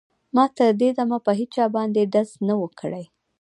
ما تر دې دمه په هېچا باندې ډز نه و کړی